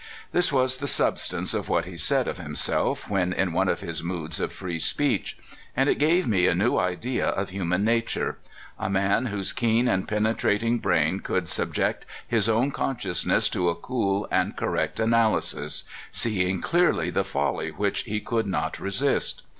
*' This was the substance of what he said of him self when in one of his moods of free speech, and it gave me a new idea of human nature — a man whose keen and penetrating brain could subject his own consciousness to a cool and correct analy sis, seeing clearly the folly which he could not re sist.